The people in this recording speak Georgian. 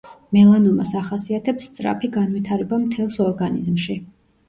მელანომას ახასიათებს სწრაფი განვითარება მთელს ორგანიზმში.